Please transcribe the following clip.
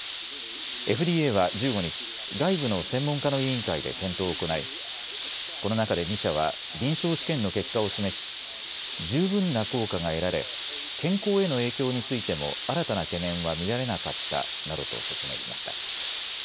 ＦＤＡは１５日、外部の専門家の委員会で検討を行いこの中で２社は臨床試験の結果を示し十分な効果が得られ健康への影響についても新たな懸念は見られなかったなどと説明しました。